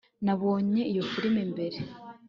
nabonye iyo firime mbere